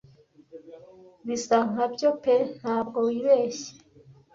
bisa nkabyo pe ntabwo wibeshye